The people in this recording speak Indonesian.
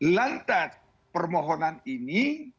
lantas permohonan ini